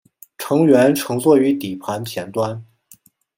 乘员乘坐于底盘前端。